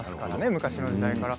昔の時代から。